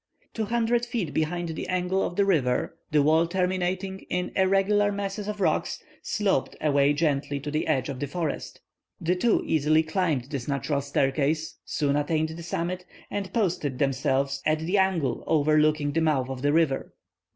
Two hundred feet behind the angle of the river, the wall terminating in irregular masses of rocks, sloped away gently to the edge of the forest. The two easily climbed this natural staircase, soon attained the summit, and posted themselves at the angle overlooking the mouth of the river.